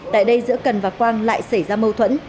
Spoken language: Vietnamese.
tại đây giữa cần và quang lại xảy ra mâu thuẫn